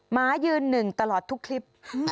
หมายืน๑ตลอดทุกคลิป